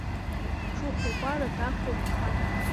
Ҽыхәа-кәара дақәтәоуп ахаҵа.